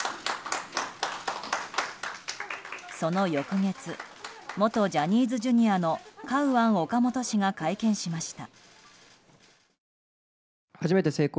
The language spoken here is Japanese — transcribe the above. その翌月、元ジャニーズＪｒ．のカウアン・オカモト氏が会見しました。